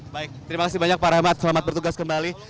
baik terima kasih banyak pak rahmat selamat bertugas kembali